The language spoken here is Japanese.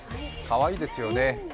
かわいいですよね。